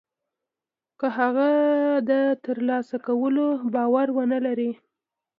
که هغه د تر لاسه کولو باور و نه لري.